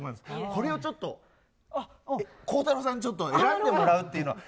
これをちょっと、孝太郎さんにちょっと選んでもらうっていうのは。